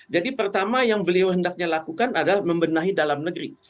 jadi pertama yang beliau hendaknya lakukan adalah membenahi dalam negeri